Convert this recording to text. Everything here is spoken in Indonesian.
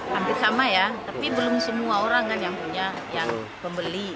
hampir sama ya tapi belum semua orang kan yang punya yang pembeli